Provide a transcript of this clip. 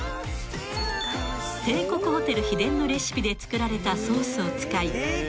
［帝国ホテル秘伝のレシピで作られたソースを使い］